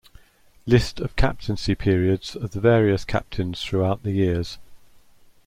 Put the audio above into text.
List of captaincy periods of the various captains throughout the years.